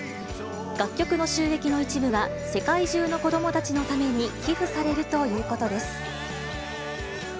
楽曲の収益の一部は、世界中の子どもたちのために寄付されるということです。